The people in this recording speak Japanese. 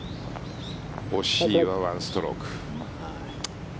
惜しい、１ストローク。